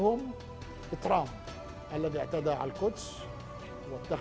yang mengucapkan terlalu buruk dan salah